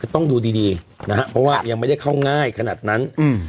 ต้องดูดีดีนะฮะเพราะว่ายังไม่ได้เข้าง่ายขนาดนั้นอืม